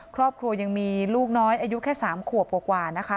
ครอบครัวยังมีลูกน้อยอายุแค่๓ขวบกว่านะคะ